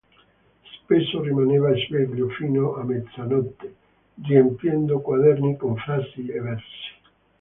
Spesso rimaneva sveglio fino a mezzanotte, riempiendo quaderni con frasi e versi.